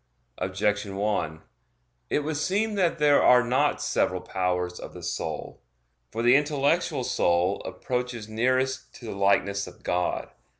Objection 1: It would seem that there are not several powers of the soul. For the intellectual soul approaches nearest to the likeness of God.